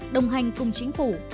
đồng hành cùng chính phủ